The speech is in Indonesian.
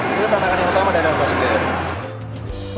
itu tantangan yang utama dari aquascape